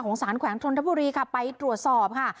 สารแขวงธนทบุรีค่ะไปตรวจสอบค่ะ